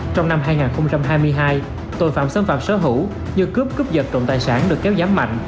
trong năm hai nghìn hai mươi hai tội phạm xâm phạm sở hữu như cướp cướp giật trộm tài sản được kéo giám mạnh